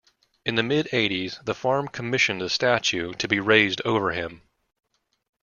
In the mid-eighties, the farm commissioned a statue to be raised over him.